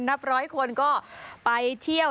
นับร้อยคนก็ไปเที่ยว